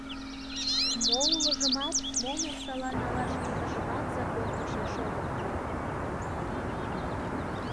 Мо улыжымат, мом оксала налаш лиймыжымат закон почеш огыт пу.